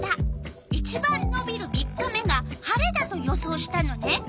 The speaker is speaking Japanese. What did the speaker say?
いちばんのびる３日目が晴れだと予想したのね。